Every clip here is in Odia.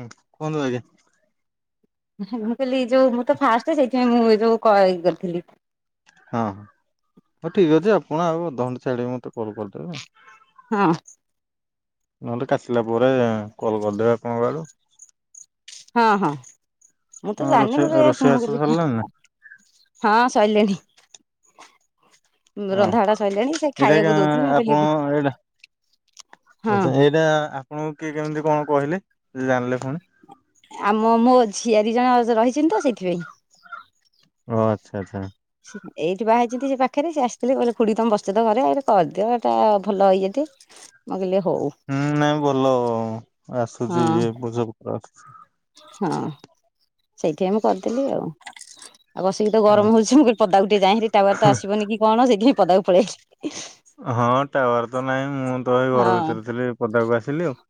ହୁଁ କୁହନ୍ତୁ ଆଜ୍ଞା? ମୁଁ କହିଲି ଯୋଉ ମୁଁ ତ ଫାଷ୍ଟ ସେଇଥିପାଇଁ ମୁଁ ଯୋଉ ଇଏ କରିଥିଲି? ହଁ ହଁ ହଉ ଠିକ ଅଛି ଆପଣ ଆଉ ଅଧଘଣ୍ଟା ଛାଡ଼ିକି ମତେ କଲ୍ କରିଦେବେ। ହଁ। ନହେଲେ କାଆସିଲା ପରେ କଲ୍ କରିଦେବେ ଆପଣଙ୍କ ଆଡ଼ୁ ହଁ ହଁ ମୁଁ ତ ହଁ ଜାଣିନି ରୋଷେଇ ମୋର କାମ ରୋଷେଇବାସ କଲି ସରିଲାଣି ନା? ହଁ ସରିଲାଣିି। ହଁ ରନ୍ଧାବଡା ସରିଲାଣି ସେ ଏଇଟା ଖାଇବାକୁ ଦଉଥିଲି ମୁଁ କହିଲି ଦେ ଆଛା ଏଇଟା ଆପଣଙ୍କୁ କିଏ କେମିତି କଣ କହିଲେ ଯେ ଜାଣିଲେ ପୁଣି? ଆମ ମୋ ଝିଆରି ଜଣ ରହିଛନ୍ତି ତ ସେଇଥିପାଇଁ ଓ ଆଚ୍ଛା ଆଚ୍ଛା। ଏଇଠି ବାହା ହେଇଛନ୍ତି ସେ ପାଖରେ ସେ ଆସିଥିଲେ କୋଇିଲେ ଖୁଡି ତମ ବସି ତ ଘରେ କରିଦିଅ ଏଟା ଭଲ ଇଏଟେ। ମୁଁ କହିଲି ହଉ ହୁଁ ନାଇଁ ଭଲ ଆସୁଛି ହଁ ଇଏ ବୂଜତ୍ର ଆସୁଛି। ହଁ ସେଇଠି ପାଇଁ ମୁଁ କରିଦେଲି ଆଉ ଆଉ ବସିକି ତ ଗରମ ହଉଛି ମୁଁ ପଦାକୁ ଟିକେ ଯାଏ ଟାୱାର ତ ଆସିବନି କି କଣ ସେଇଥି ପାଇଁ ପଦାକୁ ପଳେଇ ହଁ ଟାୱାର ତ ନାହିଁ ମୁଁ ତ ଏଇ ଘର ହଁ ଭିତରେ ଥିଲି ପଦାକୁ ଆସିଲି ଆଉ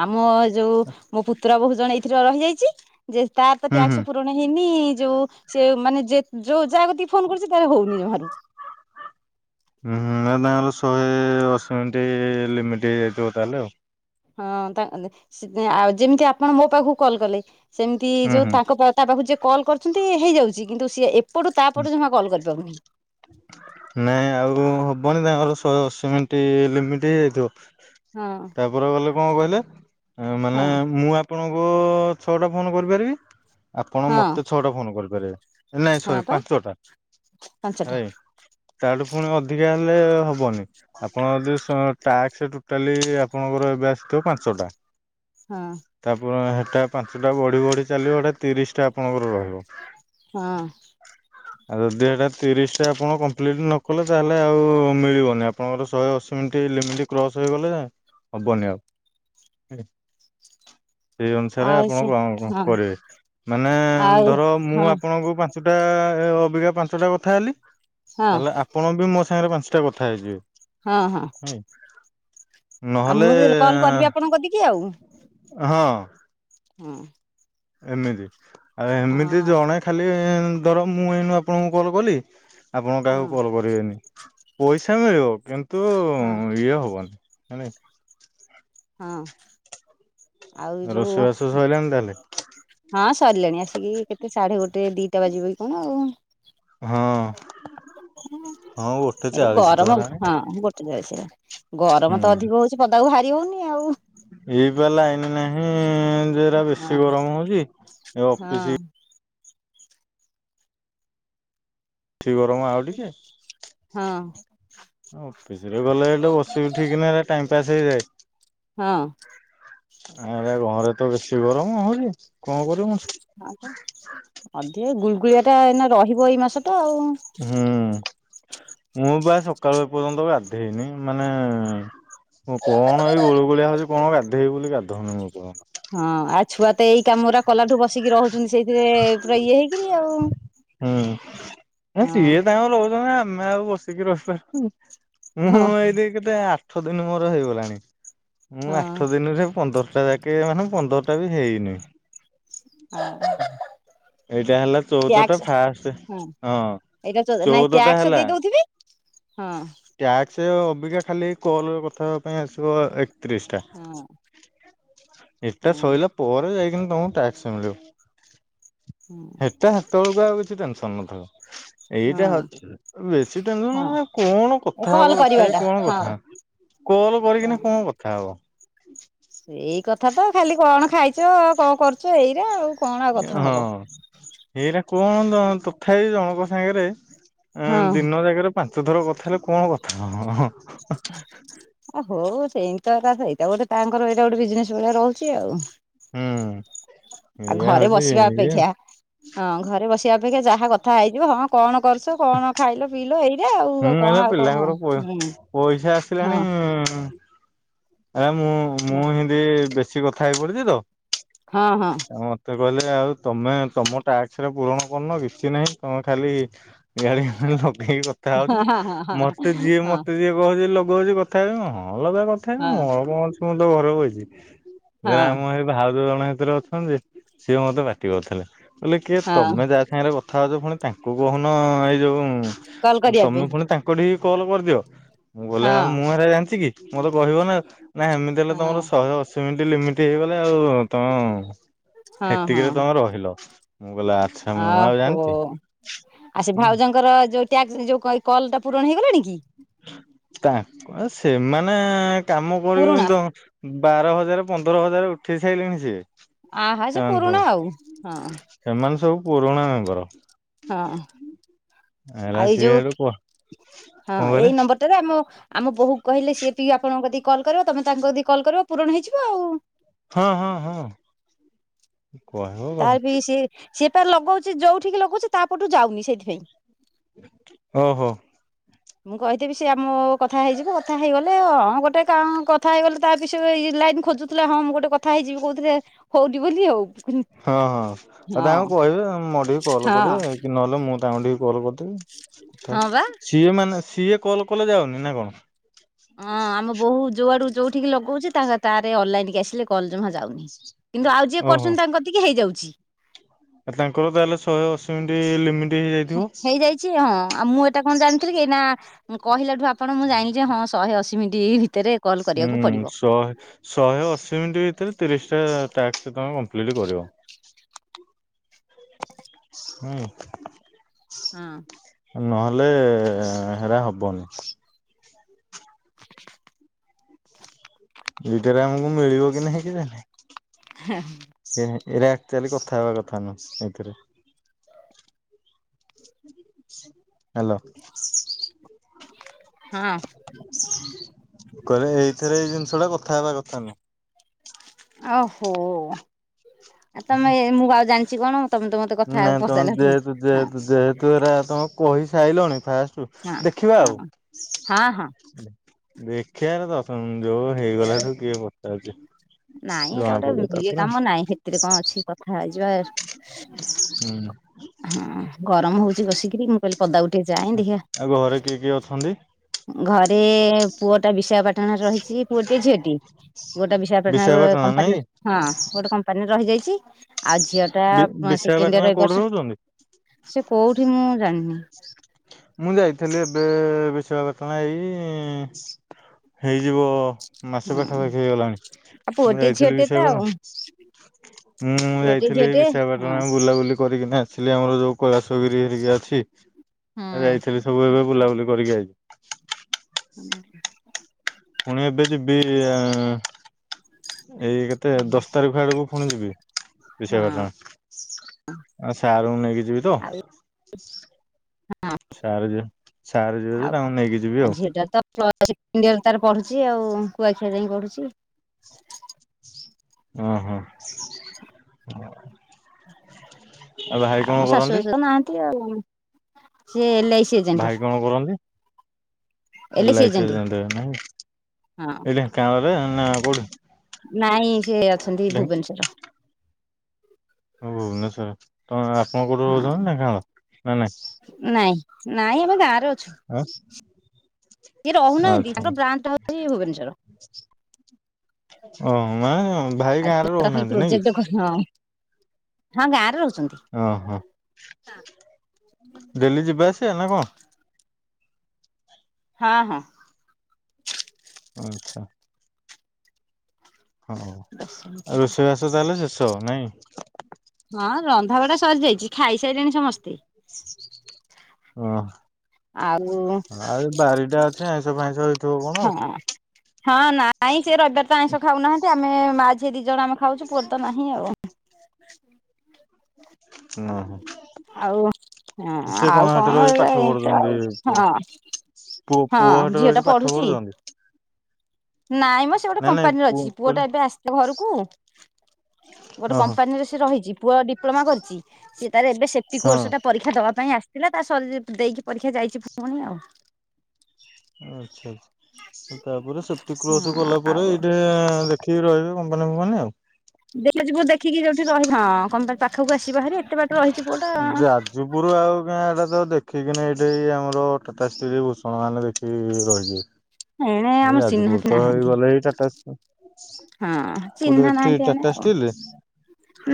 ଆମ ଯୋଉ ମୋ ପୁତ୍ର ବୋହୁ ଜଣେ ଏଇଥିରେ ରହିଯାଇଛି ଯେ ତାର ତ ହୁଁ ହୁଁ ଟେକ୍ସ ପୁ ରଣ ହେଇନି ଯୋଉ ସେ ମାନେ ଯେ ଯୋଉ ଯାହା ପାଖକୁ ଫୋନ କରୁଛି ତାଲେ ହଉନି ଜମାରୁ ହୁଁ ନା ନା ଶହେ ଅଶୀ ମିନିଟ ଲିମିଟ୍ ହେଇଯାଇଥିବ ତାହେଲେ ଆଉ ହଁ ତା ଆଉ ଯେମିତି ଆପଣ ମୋ ପାଖକୁ କଲ୍ କଲେ ସେମିତି ହୁଁ ଯୋଉ ହୁଁ। ତାଙ୍କ ପା ତା ପାଖ ଯିଏ କଲ୍ କରୁଛନ୍ତି ହେଇଯାଉଛି କିନ୍ତୁ ସିଏ ଏପଟୁ ତାପଟୁ ଜମା କଲ୍ କରିପାରୁନାହିଁ। ନାଇଁ ଆଉ ହବନି ତାଙ୍କର ଶହେ ଅଶ ମିନିଟ ଲିମିଟ ହେଇଯାଇଥିବ। ହଁ। ତାପରେ କଲେ କଣ କହିଲେ ମାନେ ହଁ ମୁଁ ଆପଣଙ୍କୁ ଛଅଟା ଫୋନ କରିପାରିବି ଆପଣ ହଁ ମତେ ଛଅଟା ଫୋନ କରିପାରିବେ। ନାଇଁ ହଁ ସରି ପା ପାଞ୍ଚଟା ପାଞ୍ଚଟା ହେଲାକି। ତାଠୁ ପୁଣି ଅଧିକା ହେଲେ ହବନି। ଆପଣ ଯଦି ଟାକ୍ସ ଟୋଟାଲି ଆପଣଙ୍କର ଏବେ ଆସିଥିବ ପାଞ୍ଚ ଟା ହଁ। ତାପରେ ସେଟା ପାଞ୍ଚଟା ବଢି ବଢି ଚାଲିବ ଏଟା ତିରିଶଟା ଆପଣଙ୍କର ରହିବ। ହଁ। ଆଉ ଯଦି ଏଟା ତିରିଶଟା ଆପଣ କମ୍ପ୍ଲିଟ ନ କଲେ ତାହେଲେ ଆଉ ମିଳିବନି ଆପଣଙ୍କର ଶହେ ଅଶୀ ମିନିଟ୍ମ। କ୍ରସ ହେଇଗଲେ ହବନି ଆଉ ସେଇ ଅନୁସାରେ ଆଉ ଆପଣ ସେ କଣ କଣ ହଁ କରିବେ ମାନେ ଆଉ ଧର ମୁଁ ହଁ ଆପଣଙ୍କୁ ପାଞ୍ଚଟା ଅବିଜୟ ପାଞ୍ଚଟା କଥା ହେଲି ହଁ ତାହେଲେ ଆପଣ ବି ମୋ ସାଙ୍ଗରେ ପାଞ୍ଚଟା କଥା ହେଇଯିବେ। ହଁ ହଁ। ନହେଲେ ଆଁ ତମ କତିକି କିି ଆଉ ହଁ ହୁଁ ଏମିତି ଆଉ ଏମିତି ହଁ ଜଣେ ଖାଲି ଧର ମୁଁ ଏଇନେ ଆପଣଙ୍କୁ କଲ କଲି ଆପଣ ହଁ କାହାକୁ କଲ୍ କରିବେନି ପଇସା ମିଳିବ କିନ୍ତୁ ହଁ ଇଏ ହବନି [unintelligible] ହଁ ଆଉ ଯୋଉ ଲନ୍ ଦେଲେ ହଁ ସରିଲାଣି ଆସିକି କେତେ ସାଢେ ଗୋଟେ ଦିଟା ବାଜିବ କି କଣ ହଁ ଆଉ ହଁ ଗୋଟେ ଏ ଚାଳିଶ ତ ଗରମ ହେଲାଣି ହଁ ଗୋ- ଗରମ ତ ହୁଁ। ଅଧିକ ହଉଛି ପଦାକୁ ବାହାରି ହଉନି ଆଉ ଏଇପା ଲାଇନ ନାହିଁ ଯେରା ବେଶୀ ହଁ ଗରମ ହଉଛି ଏ ହଁ ଅଫିସ ବେଶୀ ଗରମ ଆଉ ଟିକେ ହଁ ଅଫିସରେ ଗଲେ ଏଠୁ ବସି ଉଠିକିନା ହେଲା ଟାଇମ ପାସ୍ ହଁ। ହେଇଯାଏ ଆ ଘରେ ତ ବେଶୀ ଗରମ ହଉନି କଣ କରି ମୁଁ ଅଧିକ ଗୁଳଗୁଳିଆଟା ଏଇନା ରହିବ ଏଇ ମାସଟା ଆଉ ହୁଁ ମୁଁ ବା ସକାଳୁ ଏ ପର୍ଯ୍ୟନ୍ତ ଗାଧେଇନି ମାନେ କଣ ଏଇ ଗୁଳୁ ଗୁଳିଆ ହଉଛି କଣ ଗାଧୋଇେବୁ ବୋଲି ଗାଧଉନି ବର୍ତ୍ତମାନ ହଁ ଆଉ ଛୁଆ ତ ଏଇ କାମରା କଲା ଠୁ ବସିକି ରହୁଛନ୍ତି ସେଇଥିରେ ପୁରା ଇଏ ହେଇକରି ଆଉ ହୁଁ ନା ହଁ ସିଏ ତାଙ୍କୁ ରହୁଛନ୍ତି ଆମେ ଆଉ ବସିକି ରହିପାରୁନୁ ହଁ ମୁଁ ଏଇଠି କେତେ ଆଠ ଦିନ ମୋର ହେଇଗଲାଣି ମୁଁ ହଁ ଆଠ ଦିନରେ ପନ୍ଦରଟା ଯା କେ ମାନେ ପନ୍ଦରଟା ବି ହେଇନି ହଁ ଏଇଟା ହେଲା ଚଉଦ ଟା ଟ୍ୟାକ୍ସ ଫାଷ୍ଟ ହଁ ହଁ ଏଇଟା ନାଇଁ ଚଉଦଟା ଟ୍ୟାକ୍ସ ହେଲା ଦେଇ ଦଉଥିବି ହଁ ଟ୍ୟାକ୍ସ ଅବିକା ଖାଲି କଲ କଥା ହେବା ପାଇଁ ଆସିବ ତିରିଶଟା ହଁ ଏଟା ହଁ ଶୋଇଲା ପରେ ଯାଇକିନି ତମକୁ ଟ୍ୟାକ୍ସ ମିଳିବ ହଁ ହେଟା ସେତେବେଳକୁ ଆଉ କିଛି ଟେନସନ ନ- ହ ହଁ ଏଇଟା ହ ବେଶୀ ହଁ ଟେନସନ କଣ କଥା କଲ୍ ହବ ତଥାପି କରିବାଟା କଣ କଥା କଲ କରିକିନା କଣ କଥା ହବ? ଏଇ କଥା ତ ଖାଲି କଣ ଖାଇଛ କଣ କରୁଛ ଏଇଆ ଆଉ କଣ ଆଉ କଥା ହଁ ହବ। ଏଇଟା କଣ ତଥାପି ଜଣଙ୍କ ସାଙ୍ଗରେ ଆ ହଁ ଦିନ ଜାକରେ ପାଞ୍ଚ ଥର କଥା ହେଲେ କଣ କଥା ହେବ [unintelligible] ଆ ହଉ ସେଇମିତ ତା ସେଇଟା ଗୋଟେ ତାଙ୍କର ଏଇଟା ଗୋଟେ ବିଜନେସ ଭଳିଆ ରହୁଛି ଆଉ ହୁଁ ଆଉ ଏଇଆ ଘରେ ହଉଛି ବସିବା ଇଏ ଅପେକ୍ଷା ହଁ ଘରେ ବସିବା ଅପେକ୍ଷା ଯାହା କଥା ହେଇଯିବ ହଁ କଣ କରୁଛ କଣ ଖାଇଲ ପିଇଲ ଏଇଟା ହୁଁ ଆଉ ଏରା କଣ ଆଉ କଣ ପିଲାଙ୍କର ପ ପଇସା ଆସିଲାଣି ଆରେ ମୁଁ ମୁଁ ହିନ୍ଦୀ ବେଶୀ କଥା ହେଇ ପଡିଛି ତ ହଁ ହଁ ଆଉ ମୋତେ କହିଲେ ଆଉ ତମେ ତମ ଟାକରେ ପୂରଣ କରୁନ କିଛି ନାହିଁ ତମେ ଖାଲି ଗାଳି ଲଗେଇକି କଥା ହଉଛ ହଁ ମୋତେ ଯିଏ ହଁ ମୋତେ ଯିଏ ଲଗ ହଉଛି ଲଗ ହଉଛି କଥା ହେବି ହଁ ଲଗା କଥା ହେବି ହଁ ମୋର କଅଣ ଅଛି ମୁଁ ତ ଘର ବଇଛି ହଁ ଆମ ସେଇ ଭାଉଜ ଜଣେ ଭିତରେ ଅଛନ୍ତି ସିଏ ମୋତେ ପାଟି କରିଥିଲେ ବୋଇଲେ କିଏ ହଁ ତମେ ଯା ସାଙ୍ଗରେ କଥା ହଉଛ ପୁଣି ତାଙ୍କୁ କହୁନ ଏଇ ଯୋଉ କଲ୍ କରିବା ତମେ ପାଇଁ ପୁଣି ତାଙ୍କୁ ଠିକି କଲ କରିଦିଅ ମୁଁ କହିଲ ହଁ ମୁଁ ଏରା ଜାଣିଛି କି ମୋତେ କହିବ ନା ନା ଏମିତି ହେଲେ ହଁ ତମର ଶହେ ଅଶୀ ମିନିଟ୍ ଲିମିଟ୍ ହେଇଗଲା ଆଉ ତମ ସେତିକିରେ ତମେ ରହିଲ ମୁଁ କହିଲି ଆଚ୍ଛା ମୁଁ ଆଉ ଓହୋ ଜାଣିଛି ଆଉ ସେ ହୁଁ। ଭାଉଜଙ୍କର ଯୋଉ ଟ୍ୟାକ୍ସ ଯେଉ କଲ୍ କଲ୍ ଟା ପୂରଣ ହେଇଗଲାଣି କି? ତାଙ୍କ ସେମାନେ କାମ ପୁରୁଣା କରିବେନି ତ ବାର ହଜାର ପନ୍ଦର ହଜାର ଉଠେଇ ସାଇଲେଣି ସିଏ। ଆହା ସେ ସେମାନେ ପୁରୁଣା ସବୁ ଆଉ ହଁ। ସେମାନେ ସବୁ ପୁରୁଣା ମେମ୍ବର। ହଁ ଆଉ ହେଲା ଏଇ ସିଏ ଯେଉ ହେଠୁ କୁହ ହଁ କଣ କହିଲେ ଏଇ ନମ୍ବର ଟେରେ ଆମ ଆମ ବୋହୁକୁ କହିଲେ ସିଏ ଟିକେ ଆପଣଙ୍କ କତିକି କଲ କରିବ ତମେ ତାଙ୍କ କତିକି କଲ କରିବ ପୂରଣ ହେଇଯିବ ଆଉ। ହଁ ହଁ ହଁ। କୁହଁ। ତାର ବି ସେ ସିଏ ପା ଲଗଉଚି ଯୋଉଠିକି ଲଗଉଛି ତାପଟୁ ଯାଉନି ସେଇଥିପାଇଁ। ଓ ହୋ। ମୁଁ କହିଥବି ସିଏ ଆମ କଥା ହେଇଯିବ କଥା ହେଇଗଲେ ହଁ ଗୋଟେ କାମ କଥା ହେଇଗଲେ ତା ପିଛେ ଇଏ ଲାଇନ ଖୋଜୁ କହୁଥିଲା ହଁ ମୁଁ ଗୋଟେ କଥା ହେଇଯିବି କହୁଥିରେ ହଉନି ବୋଲି ଆଉ। ହଁ ହଁ ଆଉ ହଁ ତାଙ୍କୁ କହିବେ ମୋ ଟିକି କଲ୍ ହଁ କରିବେ କି ନହେଲେ ମୁଁ ତାଙ୍କୁ ଟିକେ କଲ୍ କରିଦେବି। ହଁ ବା ସିଏ ମାନେ ସିଏ କଲ କଲେ ଯାଉନି ନା କଣ? ହଁ ଆମ ବୋହୁ ଯୋଉଆଡୁ ଯୋଉଠିକି ଲଗଉଚି ତାହା ତାରେ ଅନଲାଇନ କି ଆସିଲେ କଲ ଜମା ଯାଉନି। କିନ୍ତୁ ଆଉ ଯିଏ କରୁଚନ୍ତି ତାଙ୍କ କତିକି ହେଇଯାଉଛି। ଆ ତାଙ୍କର ତାହେଲେ ଶହେ ଅଶି ମିନିଟି ଲମିଟି ହେଇଯାଇଛି ହଁ ଆଉ ମୁଁ ଏଟା କଣ ଜାଣିଥିଲି କି ଏଇନା ମୁଁ କହିଲା ଠୁ ଆପଣ ମୁଁ ଜାଇଁଲି ଯେ ହଁ ଶହେ ଅଶୀ ମିନିଟ୍ ଏହି ଭିତରେ କଲ୍ ହୁଁ କରିବାକୁ ପଡିବ। ଶଏ ଶହେ ଅଶୀ ମିନିଟ୍ ଭିତରେ ତିରିଶ୍ ଟା ଟାସ୍କ ତମେ କମ୍ପ୍ଲିଟ୍ କରିବ। ହୁଁ। ହଁ। ନହେଲେ ହେରା ହବନି। ଏଇଟାରେ ଆମକୁ ମିଳିବ କି ନାହିଁ କେଜାଣି। ହା। ଏଁ ଏରା ଆକ୍ଚ୍ୟଲି କଥା ହେବା କଥା ନୁହଁ ଏଇଥିରେ। ହ୍ୟାଲୋ। ହଁ। କହିଲେ ଏଇଥରେ ଏଇ ଜିନିଷ ଟା କଥା ହେବା କଥା ନୁଁ। ଆହୋ ଆଉ ତମେ ଏ ମୁଁ ଆଉ ଜାଣିଛି କଣ ତମେ ତ ମତେ କଥା ଆଉ ନାଇଁ ତମେ ପଚାରିଲା ହଁ ଯେହେତୁ ଯେହେତୁ ଯେହେତୁ ଏରା ତମେ କହିସାଇଲଣି ଫାଷ୍ଟ ରୁ ହଁ ଦେଖିବା ହଁ ଆଉ। ହଁ ହଁ। ଦେଖିବାରେ ଦଶ ମ ଯୋଉ ହେଇଗଲାଠୁ କିଏ ପଚାରୁଚି। ନାଇଁ ଏଟା ଗୋଟେ ଏଇ କାମ ନାଇଁ ହେଥିରେ କଣ ଅଛି କଥା ହେଇ ଯିବା। ହୁଁ। ହଁ ଗରମ ହଉଛି ବସିକିରି ମୁଁ କହିଲି ପଦାକୁ ଟିକେ ଯାଏଁ ଦେଖିଆଁ। ଆଉ ଘରେ କିଏ କିଏ ଅଛନ୍ତି? ଘରେ ପୁଅ ଟା ବିଶାଖାପାଟାଣାରେ ରହିଛି ପୁଅଟି ଝିଅଟିଏ ପୁଅ ଟା ବିଶାଖା ପାଟାଣାରେ ଗୋ ପାଟଣା ନାଇଁ କମ୍ପାନୀରେ ହଁ ଗୋଟେ କମ୍ପାନୀରେ ରହିଯାଇଛି। ଆଉ ଝିଅ ଟା କି ବିଶାଖା ପାଟଣା ସେକେଣ୍ଡିଇୟର କୋଉଠି ଏବର୍ଷ ରହୁଛନ୍ତି? ସେ କୋଉଠି ମୁଁ ଜାଣିନି। ମୁଁ ଯାଇଥିଲି ଏବେ ବିଶାଖାପାଟଣା ଏଇ ହେଇଯିବ ମାସେ ପାଖା ହୁଁ ପାଖି ହେଇଗଲାଣି ଆଉ ମୁଁ ପୁଅଟିଏ ଯାଇଥିଲି ଝିଅଟିଏ ତ ଆଉ ବିଶାଖାପାଟଣା। ମୁଁ ପୁଅଟିଏ ଯାଇଥିଲି ଝିଅଟିଏ ହଁ। ବିଶାଖାପାଟଣା ବୁଲାବୁଲି କରିକି ନା ଆସିଲି ଆମର ଯୋଉ କୈଳାଶ ଗୀରି ହେରିକା ଅଛି। ହଁ ଯାଇଥିଲି ସବୁ ଏବେ ବୁଲାବୁଲି କରିକି ଆଇଲି। ହୁଁ। ପୁଣି ଏବେ ଯିବି ଏଇ କେତେ ଦଶ ତାରିଖ। ଦଶ ତାରିଖକୁ ଫୁଣି ଯିବି ବିଶାଖାପାଟଣା। ଆ ସାରୁଙ୍କୁ ନେଇକି ଯିବି ତ। ଆଉ ସାର ଯିବେ ସାର୍ ଯିବେ ଯେ ତାଙ୍କୁ ନେଇକି ଯିବି ଆଉ। ଜିଆ ଡି ତାର ପଢୁଛି ଆଉ କୁଆଖିଆ ଯାଇ ପଢୁଛି। ଓ ହଁ ହ ଆଉ ମୋ ଶାଶୁ କରନ୍ତି? ଶଶୁର ନାହାନ୍ତି ଆଉ ସିଏ ଭାଇ କଣ କରନ୍ତି ଏଲ ଆଇ ସି ଏଜଟ ନାହିଁ ହଁ। ଏଟା କ୍ୟାମରାରେ ନା କେଉଁଠି। ନାଇଁ ସେ ଅଛନ୍ତି ଭୁବନେଶ୍ଵର। ହଉ ଭୁବେନେଶ୍ଵ ର ତ ଆପଣ କୋଉଠୁ ହଁ। ରହୁଛନ୍ତି ନାଇ ଗାଁରେ ନାଇଁ ନାଇଁ ନାଇ। ଆମେ ଗାଁ ହଁ। ସିଏ ରହୁନାହାନ୍ତି ଆମର ବ୍ରାଞ୍ଚ ଅଛି ଭୁବନେଶ୍ଵର। ଓ ମା ଆଜି ଖାଲି ପ୍ରୋଜେକ୍ଟ କରିବ ହଁ ଗାଁରେ ରହୁଛନ୍ତି। ଓହୋ ଡେଲି ଯିବାେ ଆସିବା ନା କଣ? ହଁ ହଁ। ଆଚ୍ଛା। ଦଶ ମିନିଟ ହଁଉ ହେଲା। ରୋଷେଇବାସ ଚାଲିଛି ସବ୍ ନାଇଁ? ହଁ ରନ୍ଧା ବଢା ସରିଯାଇଛି ଖାଇସାରିଲେଣି ସମସ୍ତେ। ଓହ୍। ଆଉ ଆଉ ବାରି ଟା ଅଛି ଆଇଁଷ ଫାଇଁସ ହେଇଥିବ କଣ ଆଉ? ହଁ ହଁ ନାଇଁ ସିଏ ରବିବାର ତ ଆଇଁଷ ଖାଉନାହାଁନ୍ତି ଆମେ ମା ଝିଅ ଦି ଜଣ ଆମେ ଖାଉଛୁ ପୁଅର ତ ନାହି। ହଉ। ଓ ହ। ଆଉ ହଁ ଆଉ କଣ ରହିକି ଏୟା ପାଠ ଏମିତି ପଢୁଛନ୍ତି ଆଉ ହଁ। ପୁଅ ହଁ ପୁଅ ହେଠି ଝିଅ ଟା ରହିକି ପାଠ ପଢୁଚି। ପଢୁଛନ୍ତି? ନାଇଁ ମ ସିଏ ଗୋଟେ ନାଇଁ ନାଇଁ କପାନୀର ଅଛି ପୁଅ କହିଲି ଟା ଏବେ ଆସି ଘରକୁ ଗୋଟେ ଓହୋ ହଁ କମ୍ପାନୀରେ ସେ ରହିଛି ପୁଅ ଡିପ ଡିପ୍ଲୋମା କରିଛି ସେ ତାର ଏବେ ସେପ୍ଟି ହଁ କୋର୍ସଟା ପରୀକ୍ଷା ଦବା ପାଇଁ ଆସିଥିଲା ତା ସର ଦେଇକି ପରୀକ୍ଷା ଯାଇଚି ପୁୁଣି ଆଉ। ଆଚ୍ଛା ତାପରେ ସେପ୍ଟୀ ହଁ କ୍ରୋସ୍ କଲା ପରେ ଆଉ ଏଠେ ଦେଖ ଖିକି ରହିବେ କମ୍ପାନ ଫମ୍ପାନୀ ରେ ଆଉ। [unintelligible] ଯିବୁ ଦେଖିକି ଯୋଉଠି ରହିବ ହଁ କଣ ପାଖକୁ ଆସିବା ହରି ଏତେ ବାଟ ରହିଛି ପୁଅ ଟା। ପୁର ଆଉ କାଇଁ ଏଇଟା ତ ଦେଖିକିନା ଏଇଠି ଆମର ଟାଟା ଷ୍ଟିଲ ଭୂଷଣ ମାନ ଦେଖିକି ରହିଯିବେ। ଏଣେ ଏଇ ଆମର ଚିହ୍ନା ଯାଜପୁର କେହି ତ ନାହାନ୍ତି। ହେଇଗଲେ ଏଇ ଟାଟା ହଁ କୋଉଠି ଚିହ୍ନା ଏଠି ନାହାନ୍ତି ଏଣେ ଟାଟା ଆଉ। ଷ୍ଟିଲ୍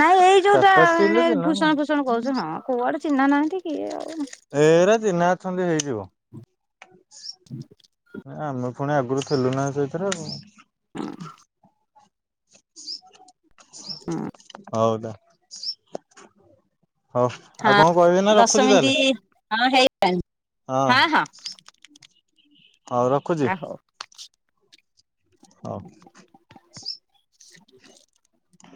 ନାଇଁ ଏଇ ଯୋଉଟା ଟାଟା ଷ୍ଟିଲ୍ ଏ ଥିଲା ନା ଭୂଷଣ ଫୂଷଣ କହୁଛୁ ହଁ କୋଉଆଡେ ଚିହ୍ନା ନାହାନ୍ତି କିଏ ଆଉ ଏରା ଚିହ୍ନା ଅଛନ୍ତି ହେଇଯିବ। [inaudible] ଆମେ ଫୁଣି ଆଗରୁ ଥିଲୁ ନା ସେଇଥିରେ ଆଉ। ଆଁ ହ। ହଉଦ। ହଉ ଆଉ କଣ କହିବେ ନା ହଁ ଦଶ ରଖୁଛି ତାହେଲେ। ମିନିଟ୍ [unintelligible] ହଁ ହଁ। ହଉ ରକ୍। ଆ ହଉ। ହଉ। [inaudible]